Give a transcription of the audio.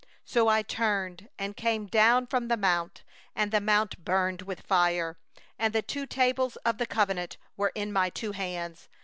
15So I turned and came down from the mount, and the mount burned with fire; and the two tables of the covenant were in my two hands.